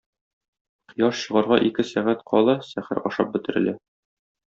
Кояш чыгарга ике сәгать кала сәхәр ашап бетерелә.